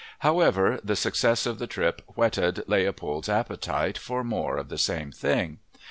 However, the success of the trip whetted Leopold's appetite for more of the same thing.